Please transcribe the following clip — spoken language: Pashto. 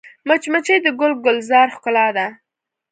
مچمچۍ د ګل ګلزار ښکلا ده